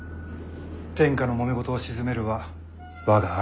天下のもめ事を鎮めるは我が兄の務め。